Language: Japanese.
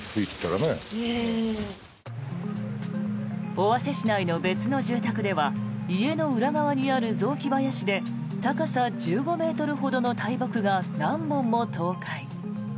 尾鷲市内の別の住宅では家の裏側にある雑木林で高さ１５ｍほどの大木が何本も倒壊。